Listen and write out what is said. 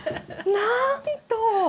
なんと！